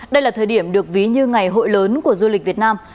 đây là thời điểm được ví như ngày hội lớn của du lịch việt nam